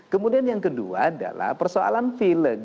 kemudian yang kedua adalah persoalan film